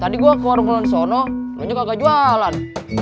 tadi gua ke warung lansono juga gak jualan